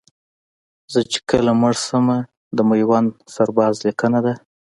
زه چې کله مړ شمه د میوند سرباز لیکنه ده